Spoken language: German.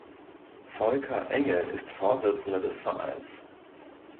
Volker Engel ist Vorsitzender des Vereins.